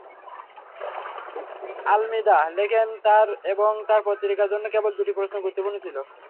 আলমিদা লেখেন তাঁর এবং তাঁর পত্রিকার জন্য কেবল দুটি প্রশ্ন গুরুত্বপূর্ণ ছিল।